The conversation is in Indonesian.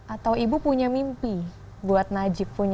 atau ibu punya mimpi buat najib